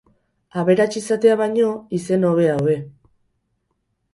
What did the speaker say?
Aberats izatea baino, izen ona hobe